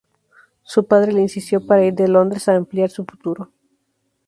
Su padre le insistió para ir de Londres a ampliar su futuro.